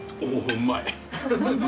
うまい。